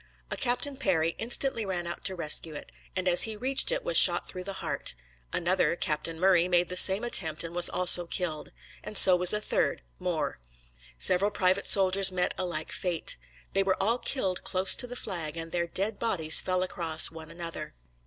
A Captain Perry instantly ran out to rescue it, and as he reached it was shot through the heart; another, Captain Murray, made the same attempt and was also killed; and so was a third, Moore. Several private soldiers met a like fate. They were all killed close to the flag, and their dead bodies fell across one another.